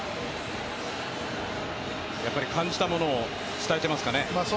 感じたものを伝えてますかね。